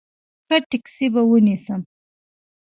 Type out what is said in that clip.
ښه ټیکسي به ونیسم.